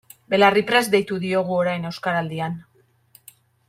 Belarriprest deitu diogu orain Euskaraldian.